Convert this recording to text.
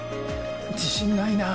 自信ないなぁ。